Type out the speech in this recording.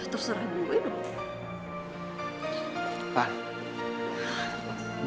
terserahin gue dong